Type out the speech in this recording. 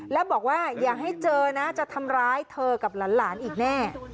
แล้วบอกว่าอย่าให้เจอนะจะทำร้ายเธอกับหลานอีกแน่